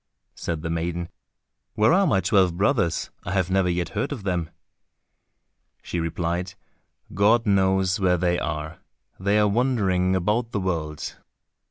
Said the maiden, "Where are my twelve brothers, I have never yet heard of them?" She replied, "God knows where they are, they are wandering about the world."